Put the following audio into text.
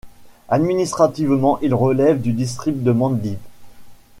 Administrativement, il relève du district de Mendip.